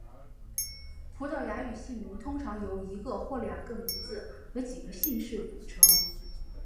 葡萄牙语姓名通常由一个或两个名字和几个姓氏组成。